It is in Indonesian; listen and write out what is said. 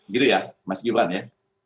gitu ya mas gibran ya